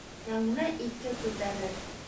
Яңыны иҫке күтәрер.